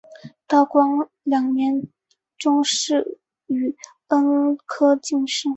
道光二年中壬午恩科进士。